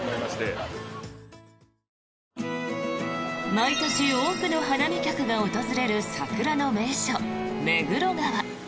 毎年多くの花見客が訪れる桜の名所、目黒川。